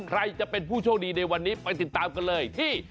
ใครจะเป็นผู้โชคดีในวันนี้ไปติดตามกันเลยที่